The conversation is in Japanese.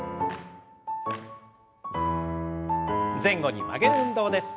前後に曲げる運動です。